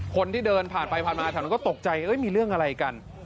คนที่เดินผ่านไปผ่านมาแถวนั้นก็ตกใจมีเรื่องอะไรกัน